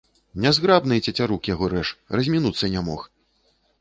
Нязграбны, цецярук яго рэж, размінуцца не мог.